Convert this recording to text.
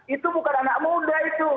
itu bukan anak muda itu